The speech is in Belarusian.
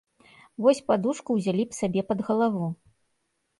Вось падушку ўзялі б сабе пад галаву.